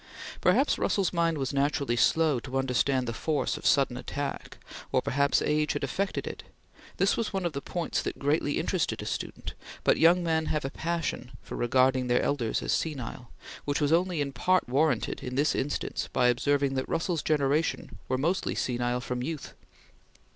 Perhaps Russell's mind was naturally slow to understand the force of sudden attack, or perhaps age had affected it; this was one of the points that greatly interested a student, but young men have a passion for regarding their elders as senile, which was only in part warranted in this instance by observing that Russell's generation were mostly senile from youth.